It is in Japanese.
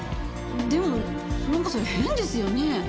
でもなんかそれ変ですよね。